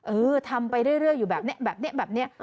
เออทำไปเรื่อยอยู่แบบนี้แบบนี้